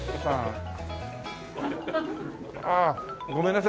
ああごめんなさい。